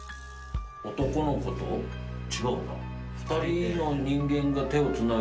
男の子と違うな。